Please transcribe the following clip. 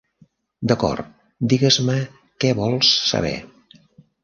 D'acord, digues-me què vols saber.